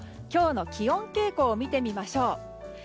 今日の気温傾向を見てみましょう。